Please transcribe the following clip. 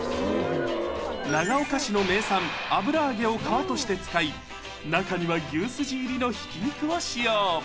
長岡市の名産、油揚げを皮として使い、中には牛すじ入りのひき肉を使用。